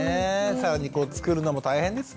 更にこう作るのも大変ですもんね。